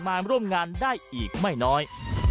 มาร่วมงานได้อีกไม่น้อย